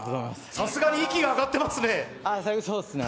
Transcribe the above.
さすがに息が上がっていますね。